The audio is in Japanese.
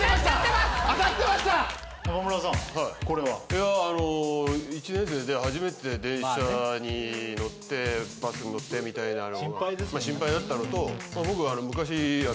いやあの１年生で初めて電車に乗ってバスに乗ってみたいなのがまあ心配だったのと。